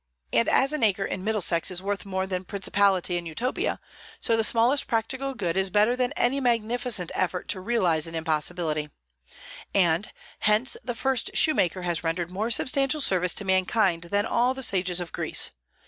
"And as an acre in Middlesex is worth more than a principality in Utopia, so the smallest practical good is better than any magnificent effort to realize an impossibility;" and "hence the first shoemaker has rendered more substantial service to mankind than all the sages of Greece.